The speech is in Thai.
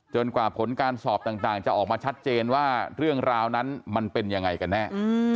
กว่าผลการสอบต่างจะออกมาชัดเจนว่าเรื่องราวนั้นมันเป็นยังไงกันแน่